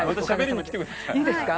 いいですか？